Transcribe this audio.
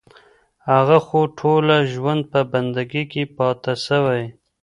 هغه خو ټوله ژوند په بندګي كي پــاته سـوى